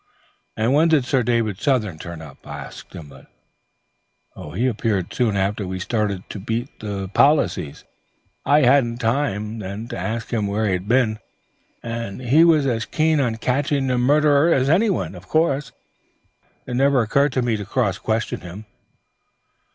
"And when did Sir David Southern turn up?" asked Gimblet. "Oh, he appeared soon after we started to beat the policies. I hadn't time then to ask him where he'd been, and he was as keen on catching the murderer as anyone. Of course it never occurred to me to cross question him."